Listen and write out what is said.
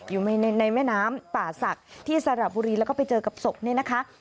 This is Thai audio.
อยู่ในแม่น้ำป่าศักดิ์ที่สระบุรีแล้วก็ไปเจอกับศพเนี่ยนะคะ